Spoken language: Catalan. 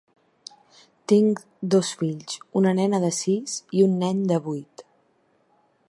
Tinc dos fills, una nena de sis i un nen de vuit.